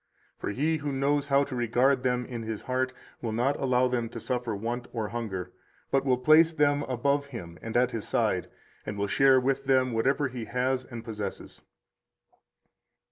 For he who knows how to regard them in his heart will not allow them to suffer want or hunger, but will place them above him and at his side, and will share with them whatever he has and possesses.